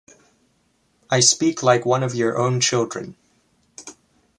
I speak like one of your own children.